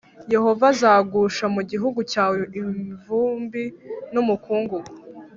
yehova azagusha mu gihugu cyawe ivumbi n’umukungugu.